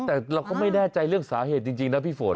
แต่เราก็ไม่แน่ใจเรื่องสาเหตุจริงนะพี่ฝน